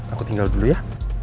aku tinggal dulu ya